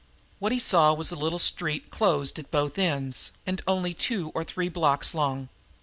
What he saw was a little street closed at both ends and only two or three blocks long.